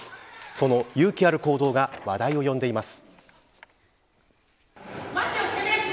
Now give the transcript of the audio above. その勇気ある行動が話題を呼んでいます。